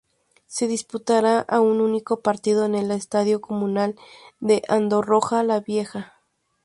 Se disputará a un único partido en el Estadio Comunal de Andorra la Vieja.